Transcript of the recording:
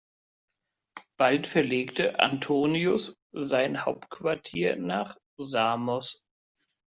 Bald verlegte Antonius sein Hauptquartier nach Samos.